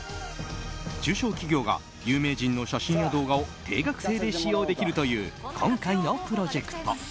中小企業が有名人の写真や動画を定額制で使用できるという今回のプロジェクト。